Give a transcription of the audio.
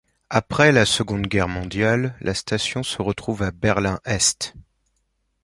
Après la Seconde Guerre mondiale, la station se retrouve à Berlin-Est.